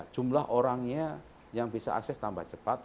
jumlah orangnya yang bisa akses tambah cepat